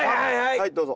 はいどうぞ。